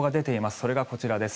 それがこちらです。